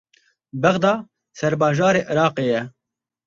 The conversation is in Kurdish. Bexda serbajarê Iraqê ye.